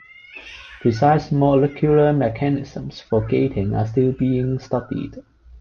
Precise molecular mechanisms for gating are still being studied.